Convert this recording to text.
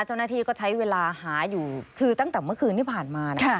เจ้าหน้าที่ก็ใช้เวลาหาอยู่คือตั้งแต่เมื่อคืนที่ผ่านมา